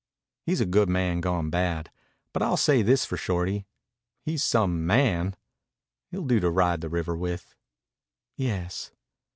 "He's a good man gone bad. But I'll say this for Shorty. He's some man. He'll do to ride the river with." "Yes."